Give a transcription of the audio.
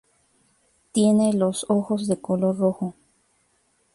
Tiene los ojos de color rojo.